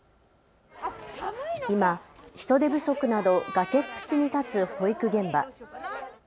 今、人手不足など崖っぷちに立つ保育現場。